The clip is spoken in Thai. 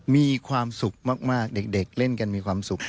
มีความสุขมากเด็กเล่นกันมีความสุข